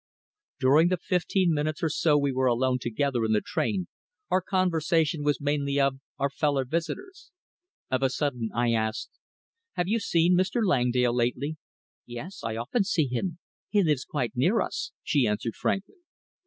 During the fifteen minutes or so we were alone together in the train our conversation was mainly of our fellow visitors. Of a sudden I asked "Have you seen Mr. Langdale lately?" "Yes. I often see him. He lives quite near us," she answered frankly.